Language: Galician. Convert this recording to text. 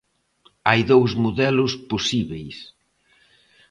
Hai dous modelos posíbeis.